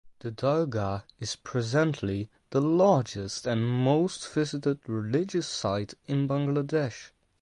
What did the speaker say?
The Dargah is presently the largest and most visited religious site in Bangladesh.